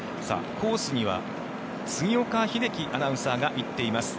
コースには杉岡英樹アナウンサーが行っています。